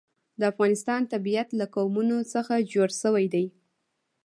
د افغانستان طبیعت له قومونه څخه جوړ شوی دی.